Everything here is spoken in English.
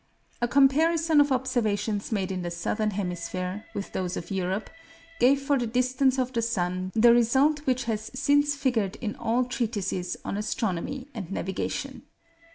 A comparison of observations made in the Southern Hemisphere with those of Europe gave for the distance of the sun the result which has since figured in all treatises on astronomy and navigation.